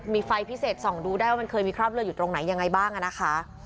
มีไฟพิเศษส่องดูได้ว่ามันเคยมีคราบเลือดอยู่ตรงไหนยังไงบ้างนะคะ